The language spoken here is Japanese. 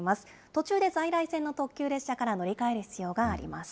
途中で在来線の特急列車から乗り換える必要があります。